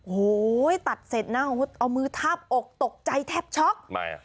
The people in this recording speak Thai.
โอ้โหตัดเสร็จนะเอามือทาบอกตกใจแทบช็อกทำไมอ่ะ